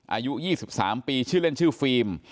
อายุ๒๓ปีชื่อเล่นชื่อฟิล์ม